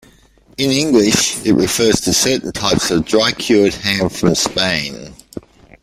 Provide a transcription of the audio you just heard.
In English it refers to certain types of dry-cured ham from Spain.